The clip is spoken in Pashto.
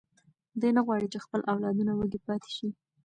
دی نه غواړي چې خپل اولادونه وږي پاتې شي.